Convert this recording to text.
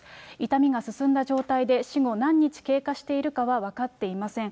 傷みが進んだ状態で、死後何日経過しているかは分かっていません。